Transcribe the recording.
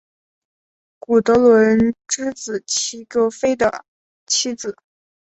古德伦之子齐格菲的妻子。